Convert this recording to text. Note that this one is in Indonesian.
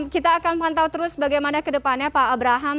kita akan pantau terus bagaimana kedepannya pak abraham